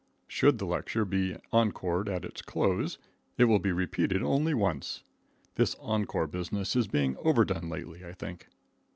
Should the lecture be encored at its close, it will be repeated only once. This encore business is being overdone lately, I think.